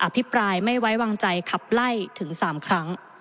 พิปรายไม่ไว้วางใจขับไล่ถึง๓ครั้ง